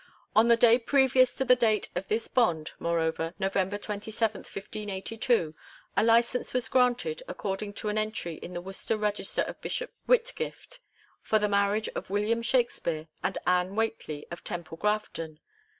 "On the day previous to the date of this bond, moreover, November 27, 1582, a licence was granted, according to an entry in the Worcester Register of Bishop Whitgif t, for the marriage of William Shaxpere and AnTie Whcuteley of Temple Grafton.